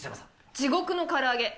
地獄の唐揚げ。